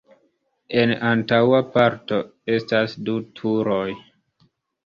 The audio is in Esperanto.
En antaŭa parto estas du turoj.